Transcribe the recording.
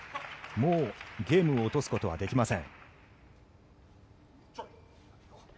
もうゲームを落とすことはできません。